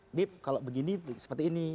ini kalau begini seperti ini